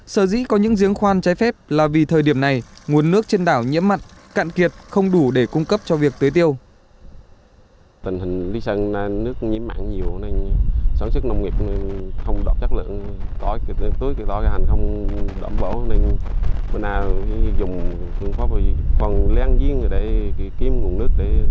sở dĩ có những giếng khoan trái phép là vì thời điểm này nguồn nước trên đảo nhiễm mặn cạn kiệt không đủ để cung cấp cho việc tưới tiêu